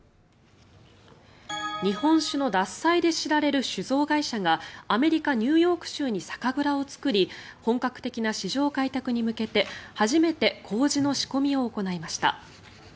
日本酒の獺祭で知られる酒造会社がアメリカ・ニューヨーク州に酒蔵を作り本格的な市場開拓に向けて初めて麹の仕込みを行いました。